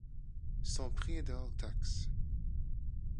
Son prix est de hors taxe.